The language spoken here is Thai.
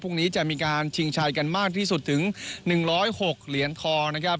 พรุ่งนี้จะมีการชิงชัยกันมากที่สุดถึง๑๐๖เหรียญทองนะครับ